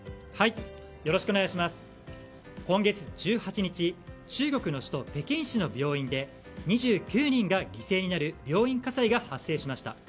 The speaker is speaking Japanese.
今月１８日、中国の首都北京市の病院で２９人が犠牲になる病院火災が発生しました。